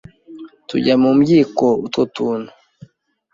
tujya mu mbyiko utwo tuntu